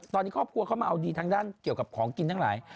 ตอนนี้ครอบครัวเขามาเอาดีทางด้านเกี่ยวกับของกินทั้งหลาย